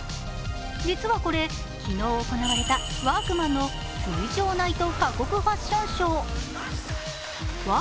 実はこれ、昨日行われたワークマンの水上ナイト過酷ファッションショー。